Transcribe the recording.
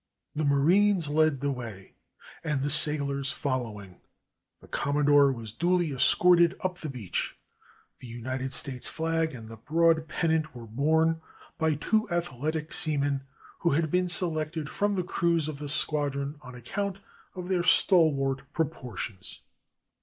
The marines led the way, and the sailors following, the Commodore was duly escorted up the beach. The United States flag and the broad pennant were borne by two athletic seamen, who had been selected from the crews of the squadron on account of their stalwart proportions.